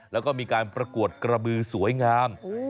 แล้วก็มีการประกวดกระบือสวยงาม